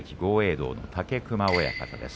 道の武隈親方です。